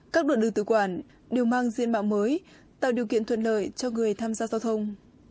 các đoạn đường tự quản đều mang diện mạo mới tạo điều kiện thuận lợi cho người tham gia giao thông